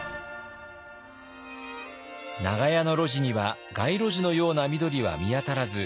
長屋の路地には街路樹のような緑は見当たらず